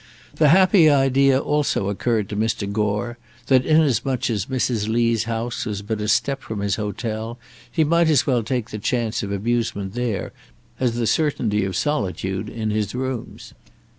The happy idea also occurred to Mr. Gore that, inasmuch as Mrs. Lee's house was but a step from his hotel, he might as well take the chance of amusement there as the certainty of solitude in his rooms.